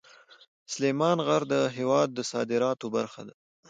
سلیمان غر د هېواد د صادراتو برخه ده.